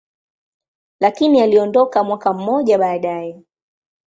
lakini aliondoka mwaka mmoja baadaye.